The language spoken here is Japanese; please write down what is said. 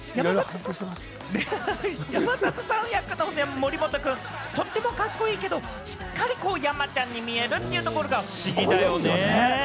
山里さん役の森本君、とってもカッコいいけど、しっかり山ちゃんに見えるっていうところが不思議だよね。